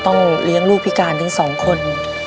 ต้องเลี้ยงลูกพิการทั้งสองคน